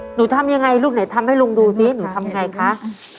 หนูทำยังไงลูกไหนทำให้ลุงดูซิหนูทำไงคะ